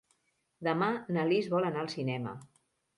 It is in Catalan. Demà na Lis vol anar al cinema.